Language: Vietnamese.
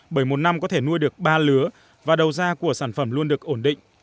bởi một năm có thể nuôi được ba lứa và đầu ra của sản phẩm luôn được ổn định